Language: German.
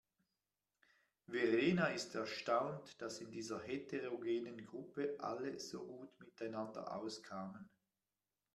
Verena ist erstaunt, dass in dieser heterogenen Gruppe alle so gut miteinander auskamen.